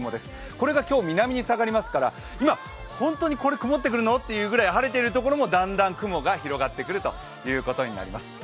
これが今日、南に下がりますから今、本当に曇ってくるの？というぐらい晴れているところも、だんだん雲が広がってくるということになります。